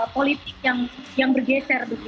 politik yang bergeser